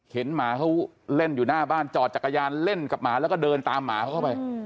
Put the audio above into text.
หมาเขาเล่นอยู่หน้าบ้านจอดจักรยานเล่นกับหมาแล้วก็เดินตามหมาเขาเข้าไป